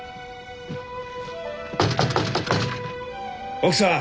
・奥さん！